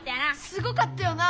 すごかったよな